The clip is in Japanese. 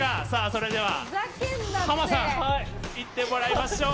それではハマさんいってもらいましょう。